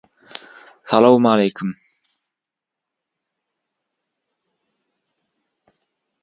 - Salowmaleýkim.